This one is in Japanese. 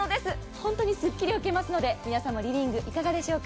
本当にすっきり置けますので、皆様のリビングいかがでしょうか？